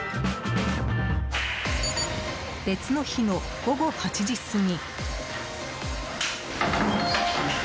別の日の午後８時過ぎ。